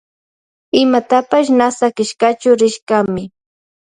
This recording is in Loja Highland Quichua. Imatapash na sakishkachu rishkami.